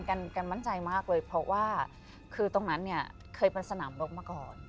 ค่ะกันบ้านใจมากเลยเพราะว่าตรงฆ่านี้เคยไปสนามรกมาก่อน